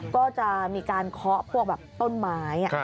ก็จะมีการเคาะพวกแบบต้นไม้